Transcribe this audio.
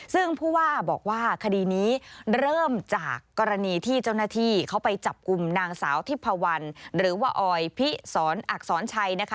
ซึ่งผู้ว่าบอกว่าคดีนี้เริ่มจากกรณีที่เจ้าหน้าที่เขาไปจับกลุ่มนางสาวทิพพวันหรือว่าออยพิสรอักษรชัยนะคะ